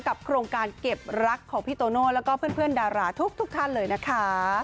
โครงการเก็บรักของพี่โตโน่แล้วก็เพื่อนดาราทุกท่านเลยนะคะ